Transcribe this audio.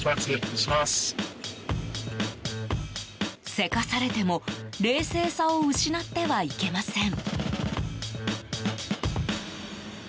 急かされても冷静さを失ってはいけません。